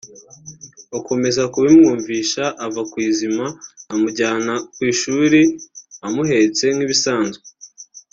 bakomeza kubimwumvisha ava ku izima amujyana ku ishuri amuhetse nk’ibisanzwe